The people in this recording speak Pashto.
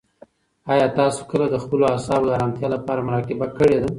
آیا تاسو کله د خپلو اعصابو د ارامتیا لپاره مراقبه کړې ده؟